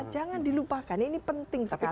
jangan dilupakan ini penting sekali